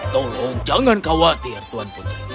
tolong jangan khawatir tuan putri